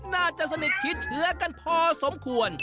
น่าจะสนิทชิดเชื้อกันพอสมควร